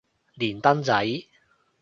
連登仔